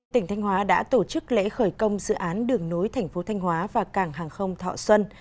tỉnh thanh hóa đã tổ chức lễ khởi công dự án đường nối thành phố thanh hóa và cảng hàng không thọ xuân